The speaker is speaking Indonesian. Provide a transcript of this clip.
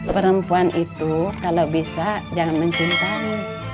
perempuan itu kalau bisa jangan mencintai